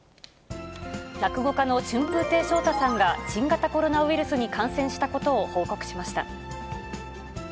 落語家の春風亭昇太さんが、新型コロナウイルスに感染したことを報告しました。